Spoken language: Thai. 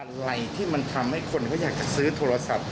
อะไรที่มันทำให้คนเขาอยากจะซื้อโทรศัพท์